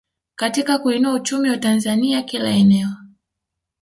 Katika kuuinua uchumi wa Tanzania kila eneo